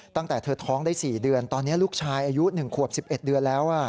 ตั้งแต่เธอท้องได้๔เดือนตอนนี้ลูกชายอายุ๑ขวบ๑๑เดือนแล้ว